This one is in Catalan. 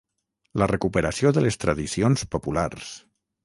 la recuperació de les tradicions populars